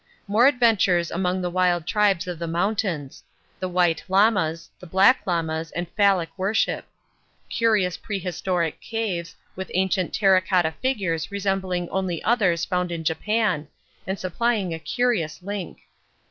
More adventures among the wild tribes of the mountains; the white lamas, the black lamas and phallic worship. Curious prehistoric caves with ancient terra cotta figures resembling only others found in Japan and supplying a curious link.